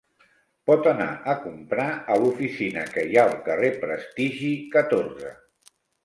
Pot anar a comprar a l'oficina que hi ha al carrer Prestigi, catorze.